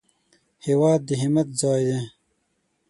هېواد د همت ځای دی